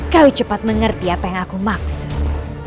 kau cepat mengerti apa yang aku maksud